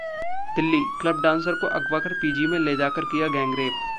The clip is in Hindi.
दिल्ली: क्लब डांसर को अगवा कर पीजी में ले जाकर किया गैंगरेप